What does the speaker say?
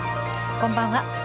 こんばんは。